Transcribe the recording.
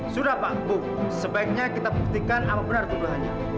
sudah pak bu sebaiknya kita buktikan apa benar kebenarannya